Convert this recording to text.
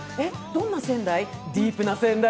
どんな仙台？